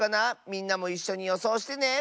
みんなもいっしょによそうしてね！